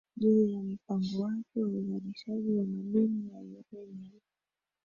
juu ya mpango wake wa uzalishaji wa madini ya urenium